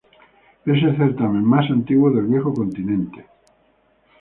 Es el certamen más antiguo del viejo continente.